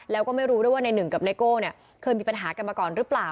แล้วก็ไม่รู้ด้วยว่าในหนึ่งกับไนโก้เนี่ยเคยมีปัญหากันมาก่อนหรือเปล่า